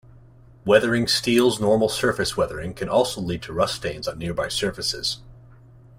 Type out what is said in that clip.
Weathering steel's normal surface weathering can also lead to rust stains on nearby surfaces.